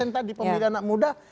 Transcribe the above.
tadi pemilihan anak muda